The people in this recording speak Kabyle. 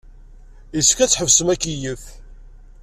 Yessefk ad tḥebsem akeyyef.